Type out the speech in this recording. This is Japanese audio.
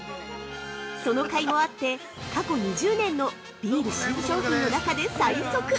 そのかいもあって、過去２０年のビール新商品の中で最速！